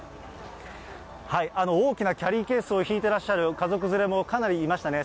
大きなキャリーケースを引いてらっしゃる家族連れも、かなりいましたね。